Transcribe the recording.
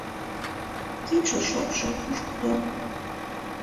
Кидше шокшо, пушкыдо.